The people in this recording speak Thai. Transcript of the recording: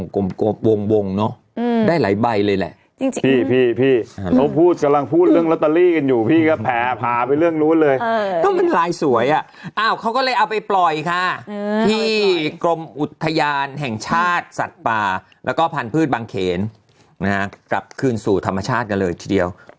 เขาบอกว่าปายอ่ะยังไง